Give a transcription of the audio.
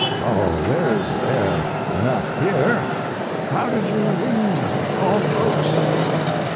"Oh, there s air enough here. How did you leave all the folks?"